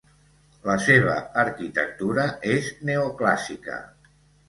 La seva arquitectura és neoclàssica.